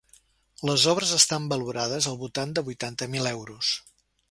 Les obres estan valorades al voltant de vuitanta mil euros.